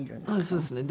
そうですね。